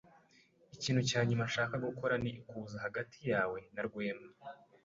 Ikintu cya nyuma nshaka gukora ni ukuza hagati yawe na Rwema.